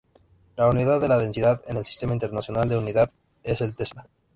La unidad de la densidad en el Sistema Internacional de Unidades es el tesla.